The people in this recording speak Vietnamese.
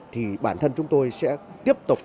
thì bản thân chúng tôi sẽ tiếp tục